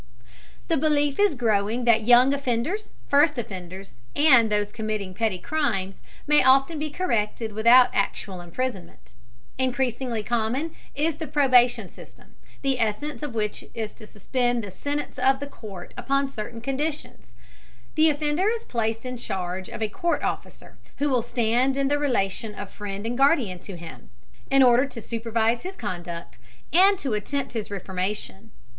The belief is growing that young offenders, first offenders, and those committing petty crimes, may often be corrected without actual imprisonment. Increasingly common is the probation system, the essence of which is to suspend the sentence of the court upon certain conditions. The offender is placed in charge of a court officer who will stand in the relation of friend and guardian to him, in order to supervise his conduct and to attempt his reformation.